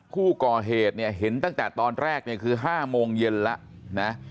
ผู้ก่อเหตุเนี่ยเห็นตั้งแต่ตอนแรกเนี่ยคือ๕โมงเย็นแล้วนะ